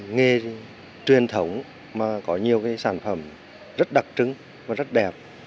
nghe truyền thống mà có nhiều cái sản phẩm rất đặc trưng và rất đẹp